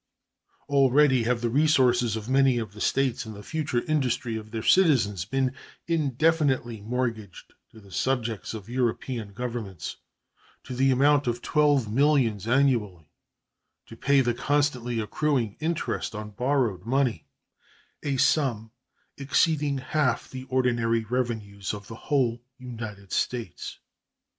Already have the resources of many of the States and the future industry of their citizens been indefinitely mortgaged to the subjects of European Governments to the amount of twelve millions annually to pay the constantly accruing interest on borrowed money a sum exceeding half the ordinary revenues of the whole United States.